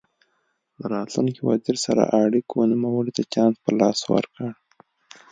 له راتلونکي وزیر سره اړیکو نوموړي ته چانس په لاس ورکړ.